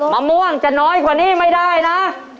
มะม่วงจะน้อยกว่านี้ไม่ได้นะ